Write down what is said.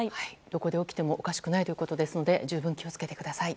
どこで起きてもおかしくないということですので十分、気を付けてください。